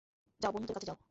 যাও, বন্ধুদের কাছে যাও।